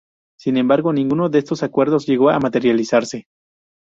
Sin embargo, ninguno de estos acuerdos llegó a materializarse.